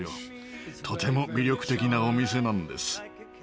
とても魅力的なお店なんです。